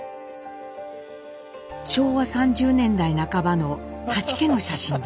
昭和３０年代半ばの舘家の写真です。